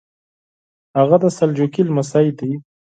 هغه د سلجوقي لمسی دی.